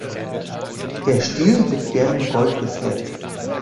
Der Stiel wird gern in Gold gefärbt.